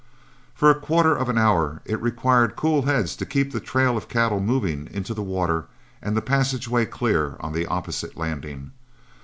For a quarter of an hour it required cool heads to keep the trail of cattle moving into the water and the passageway clear on the opposite landing.